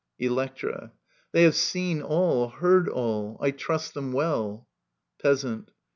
Electra. They have seen all, heard all. I trust them well. Peasant.